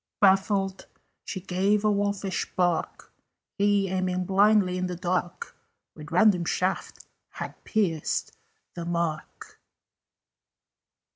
Baffled, she gave a wolfish bark: He, aiming blindly in the dark, With random shaft had pierced the mark.